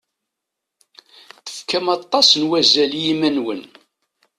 Tefkam aṭas n wazal i yiman-nwen.